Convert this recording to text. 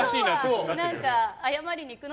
謝りに行くの？